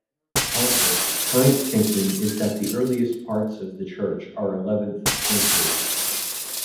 However, current thinking is that the earliest parts of the church are eleventh century.